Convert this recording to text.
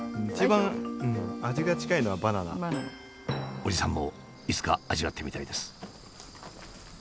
おじさんもいつか味わってみたいです。